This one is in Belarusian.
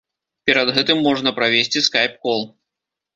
Перад гэтым можна правесці скайп-кол.